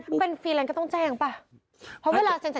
ถ้าเป็นฟรีแรงก็ต้องแจ้งเปล่า